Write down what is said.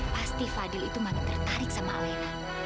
pasti fadil itu makin tertarik sama alena